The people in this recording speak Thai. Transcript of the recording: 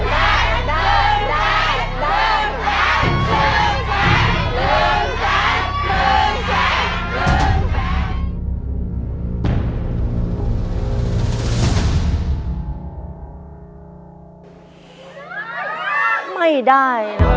หรือไม่ได้ครับ